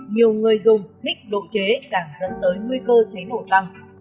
nhiều người dùng thích độ chế càng dẫn tới nguy cơ cháy nổ tăng